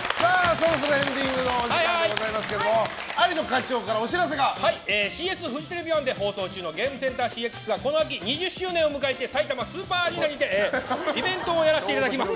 そろそろエンディングのお時間でございますがＣＳフジテレビＯＮＥで放送中の「ゲームセンターＣＸ」がこの秋、２０周年を迎えてさいたまスーパーアリーナにてイベントをやらせていただきます。